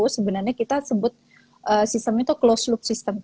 sebenarnya kita sebut sistem itu closed loop system